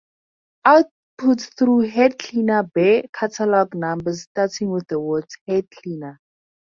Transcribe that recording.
Outputs through Head Cleaner bare catalog numbers starting with the words "head cleaner".